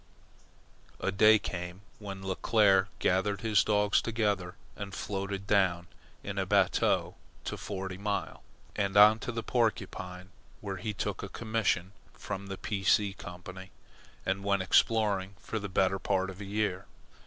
A day came when Leclere gathered his dogs together and floated down in a bateau to Forty Mile, and on to the Porcupine, where he took a commission from the P. C. Company, and went exploring for the better part of a year.